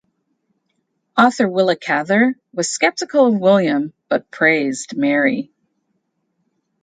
Author Willa Cather was skeptical of William but praised Mary.